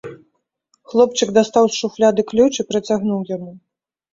Хлопчык дастаў з шуфляды ключ і працягнуў яму.